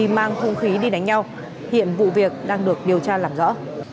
hành vi mang không khí đi đánh nhau hiện vụ việc đang được điều tra làm rõ